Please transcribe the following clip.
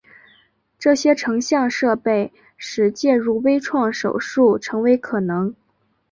这些成像设备使介入微创手术成为可能。